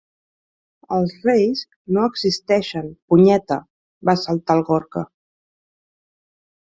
Els reis no existeixen, punyeta! —va saltar el Gorka.